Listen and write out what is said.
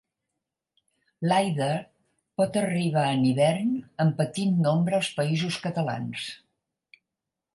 L'èider pot arribar en hivern, en petit nombre, als Països Catalans.